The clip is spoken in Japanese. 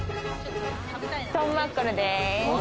トンマッコルです。